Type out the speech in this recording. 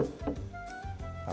あっ